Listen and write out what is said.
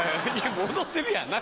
踊ってるやん何？